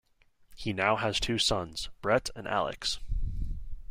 He now has two sons, Brett and Alex.